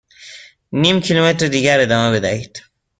نیم کیلومتر دیگر ادامه بدهید.